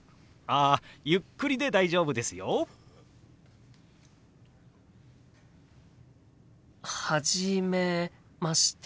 あゆっくりで大丈夫ですよ。初めまして。